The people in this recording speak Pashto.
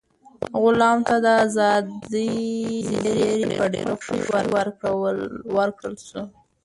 غلام ته د ازادۍ زېری په ډېره خوښۍ ورکړل شو.